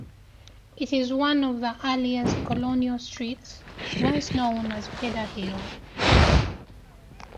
It is one of the earliest colonial streets, once known as Pedder Hill.